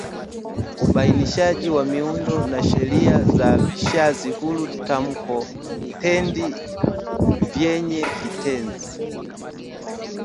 Ubainishaji wa miundo na sheria za vishazi huru tamko -tendi vyenye kitenzi